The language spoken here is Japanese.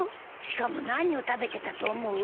しかも何を食べてたと思う？